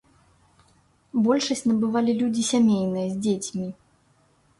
Большасць набывалі людзі сямейныя, з дзецьмі.